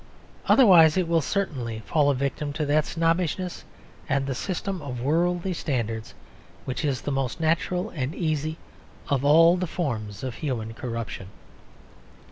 Otherwise it will certainly fall a victim to that snobbishness and system of worldly standards which is the most natural and easy of all the forms of human corruption.